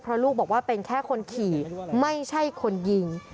เพราะลูกบอกว่าเป็นแค่คนขี่ไม่ใช่คนยิง